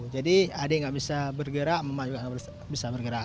jadi adik enggak bisa bergerak mama juga enggak bisa bergerak